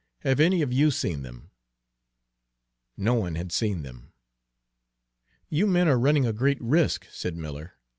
Have any of you seen them?" No one had seen them. "You men are running a great risk," said Miller.